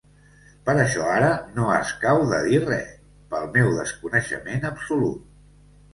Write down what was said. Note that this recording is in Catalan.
Per això ara no escau de dir res, pel meu desconeixement absolut.